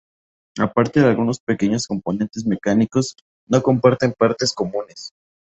Aparte de algunos pequeños componentes mecánicos, no comparten partes comunes.